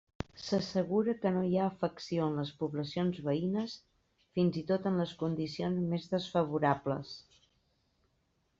S'assegura que no hi ha afecció en les poblacions veïnes fins i tot en les condicions més desfavorables.